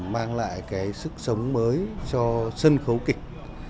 mang lại cái sức sống mới cho sân khấu kịch